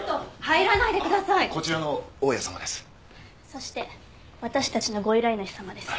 そして私たちのご依頼主様です。